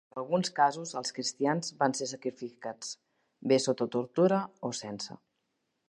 En alguns casos, els cristians van ser sacrificats, bé sota tortura o sense.